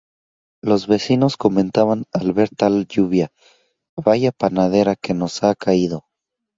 Los vecinos comentaban al ver tal lluvia: "¡Vaya panadera que nos ha caído!